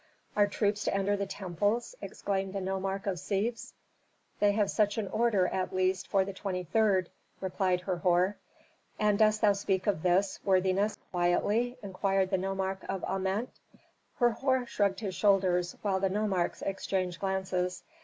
"Are troops to enter the temples?" exclaimed the nomarch of Sebes. "They have such an order at least for the 23d," replied Herhor. "And dost thou speak of this, worthiness, quietly?" inquired the nomarch of Ament. Herhor shrugged his shoulders, while the nomarchs exchanged glances.